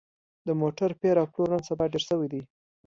د موټرو پېر او پلور نن سبا ډېر شوی دی